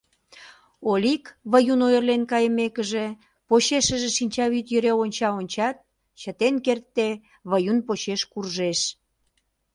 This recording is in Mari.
Олик, Выюн ойырлен кайымекыже, почешыже шинчавӱд йӧре онча-ончат, чытен кертде, Выюн почеш куржеш.